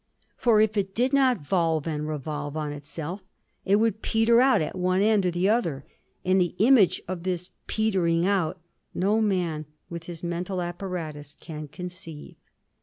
For if It did not volve and revolve on Itself, It would peter out at one end or the other, and the image of this petering out no man with his mental apparatus can conceive.